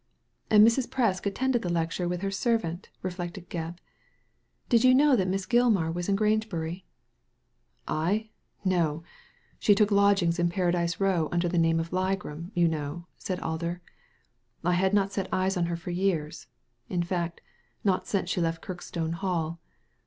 "And Mrs. Presk attended the lecture with her servant," reflected Gebb. *' Did you know that Miss Gilmar was in Grangebury ?"I ! No ! She took lodgings in Paradise Row under the name of Ligram, you know," said Alder. *'I had not set eyes on her for years — in fact, not since she left Kirkstone Hall.